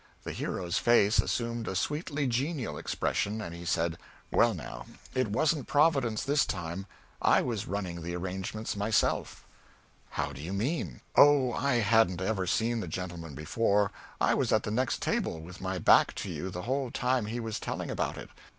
The hero's face assumed a sweetly genial expression, and he said, "Well now, it wasn't Providence this time. I was running the arrangements myself." "How do you mean?" "Oh, I hadn't ever seen the gentleman before. I was at the next table, with my back to you the whole time he was telling about it.